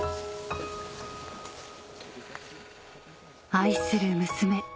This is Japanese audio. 愛する娘